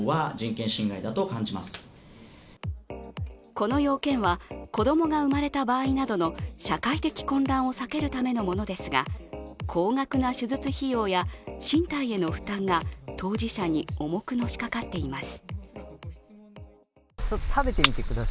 この要件は子供が生まれた場合などの社会的混乱を避けるためのものですが高額な手術費用や身体への負担が当事者に重くのしかかっています。